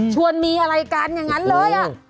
ชวนมีอะไรกันอย่างนั้นเลย